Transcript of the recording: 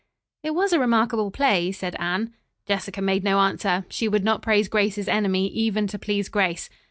"It was a remarkable play," said Anne. Jessica made no answer. She would not praise Grace's enemy, even to please Grace.